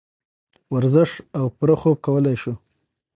ورزش او پوره خوب کولے شو -